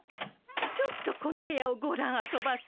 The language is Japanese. ちょっとこの部屋をごらんあそばせ！